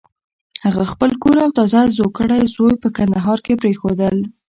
هغه خپل کور او تازه زوکړی زوی په کندهار کې پرېښودل.